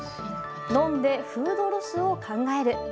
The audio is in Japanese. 飲んでフードロスを考える。